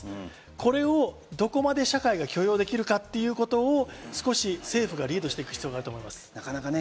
これをどこまで社会が許容できるかということを少し政府がリードしていく必要があると思います。